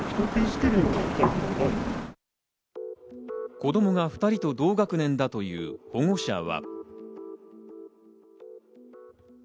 子供が２人と同学年だという保護者は。